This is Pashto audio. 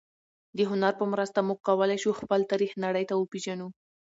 د هنر په مرسته موږ کولای شو خپل تاریخ نړۍ ته وپېژنو.